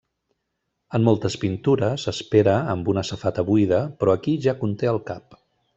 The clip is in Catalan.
En moltes pintures, espera amb una safata buida, però aquí ja conté el cap.